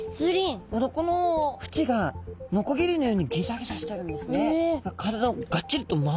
鱗の縁がのこぎりのようにギザギザしてるんですね。